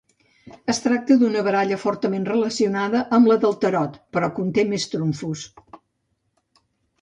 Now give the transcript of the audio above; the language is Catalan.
Es tracta d'una baralla fortament relacionada amb la del tarot, però conté més trumfos.